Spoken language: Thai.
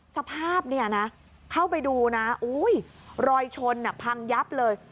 สภาพเนี่ยนะเข้าไปดูนะรอยชนพังยับเลย